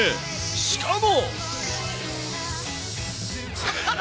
しかも。